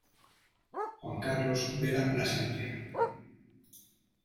Juan Carlos Vera Plasencia.